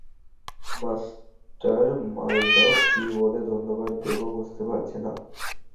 Mister Murdoch, কী বলে ধন্যবাদ দেবো, বুঝতে পারছি না!